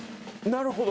なるほど。